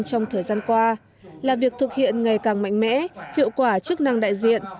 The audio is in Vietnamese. trong thời gian qua là việc thực hiện ngày càng mạnh mẽ hiệu quả chức năng đại diện